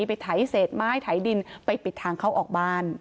ไถเศษไม้ไถดินไปปิดทางเข้าออกบ้าน